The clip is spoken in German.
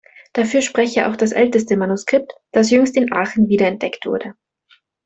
Dafür spreche auch das älteste Manuskript, das jüngst in Aachen wiederentdeckt wurde.